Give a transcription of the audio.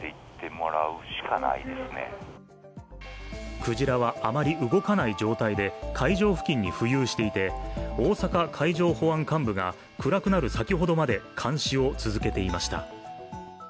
クジラはあまり動かない状態で海上付近に浮遊していて大阪海上保安監部が暗くなる先ほどまで監視を続けていました。